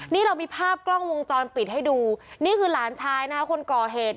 นี่เรามีภาพกล้องวงจรปิดให้ดูนี่คือหลานชายนะคะคนก่อเหตุ